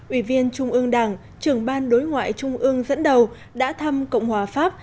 ủy viên trung ương đảng trưởng ban đối ngoại trung ương dẫn đầu đã thăm cộng hòa pháp